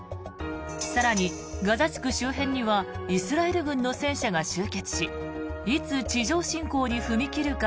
更に、ガザ地区周辺にはイスラエル軍の戦車が集結しいつ地上侵攻に踏み切るか